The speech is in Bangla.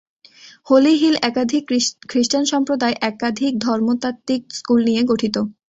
হলি হিল একাধিক খৃস্টান সম্প্রদায় একাধিক ধর্মতাত্ত্বিক স্কুল নিয়ে গঠিত।